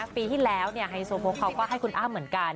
ปีที่แล้วไฮโซโพกเขาก็ให้คุณอ้ำเหมือนกัน